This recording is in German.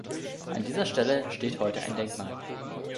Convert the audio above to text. An dieser Stelle steht heute ein Denkmal.